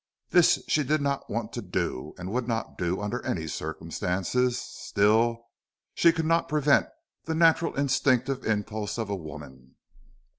This she did not want to do and would not do under any circumstances; still, she could not prevent the natural instinctive impulse of a woman.